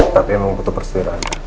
tapi emang butuh persediaan